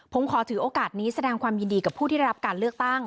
ผมขอถือโอกาสนี้แสดงความยินดีกับผู้ที่ได้รับการเลือกตั้ง